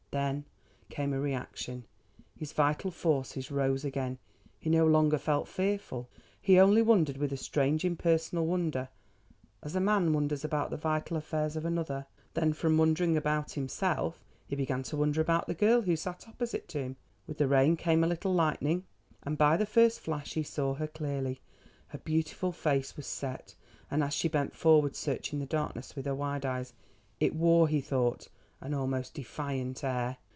Then came a reaction. His vital forces rose again. He no longer felt fearful, he only wondered with a strange impersonal wonder, as a man wonders about the vital affairs of another. Then from wondering about himself he began to wonder about the girl who sat opposite to him. With the rain came a little lightning, and by the first flash he saw her clearly. Her beautiful face was set, and as she bent forward searching the darkness with her wide eyes, it wore, he thought, an almost defiant air.